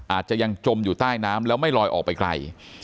อาจจะยังจมอยู่ใต้น้ำแล้วไม่ลอยออกไปไกล